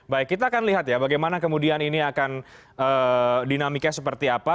baik kita akan lihat ya bagaimana kemudian ini akan dinamika seperti apa